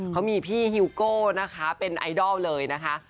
เขามีพี่ฮิวโก้นะคะเป็นไอดอลเลยนะคะ